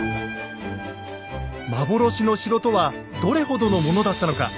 幻の城とはどれほどのものだったのか。